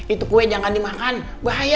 itu kue jangan dimakan bahaya